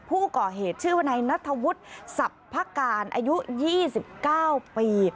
ผู้ก่อเหตุชื่อวนายนัทธวุฒิสรรพการอายุ๒๙ปี